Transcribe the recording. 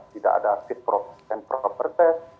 tidak ada fit and proper test